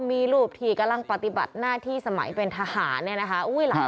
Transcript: มีรูปที่กำลังปฏิบัติหน้าที่สมัยเป็นทหารเนี่ยนะคะ